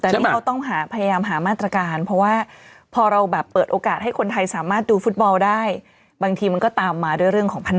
สำหรับการพันธุ์